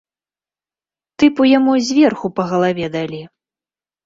Тыпу яму зверху па галаве далі.